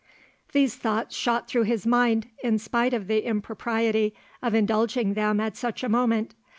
These thoughts shot through his mind, in spite of the impropriety of indulging them at such a moment.